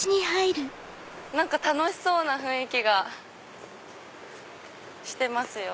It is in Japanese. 何か楽しそうな雰囲気がしてますよ。